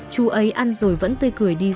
chú ấy ăn rồi vẫn tươi cười đi ra mà